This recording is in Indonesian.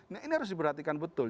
nah ini harus diperhatikan betul